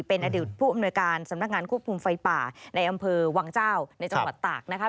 เป็นอดีตผู้อำนวยการสำนักงานควบคุมไฟป่าในอำเภอวังเจ้าในจังหวัดตากนะคะ